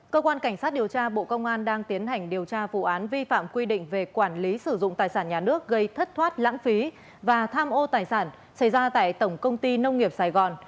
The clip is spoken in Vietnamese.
cơ quan cảnh sát điều tra bộ công an đang tiến hành điều tra vụ án vi phạm quy định về quản lý sử dụng tài sản nhà nước gây thất thoát lãng phí và tham ô tài sản xảy ra tại tổng công ty nông nghiệp sài gòn